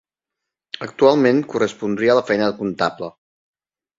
Actualment correspondria a la feina del comptable.